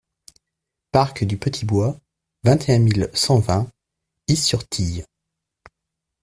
Parc du Petit Bois, vingt et un mille cent vingt Is-sur-Tille